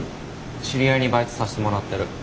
知り合いにバイトさせてもらってる。